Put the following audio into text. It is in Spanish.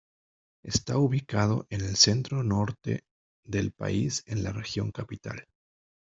Está ubicado en el centro-norte del país, en la región Capital.